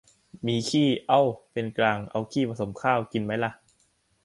มีขี้ เอ้า เป็นกลาง เอาขี้ผสมข้าว กินมั้ยล่ะ